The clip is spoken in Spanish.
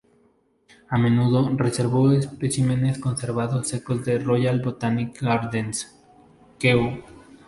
A menudo, reservó especímenes conservados secos en Royal Botanic Gardens, Kew.